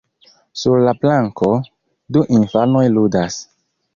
Sur la planko, du infanoj ludas.